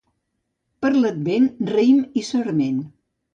Per l'Advent, raïm i sarment.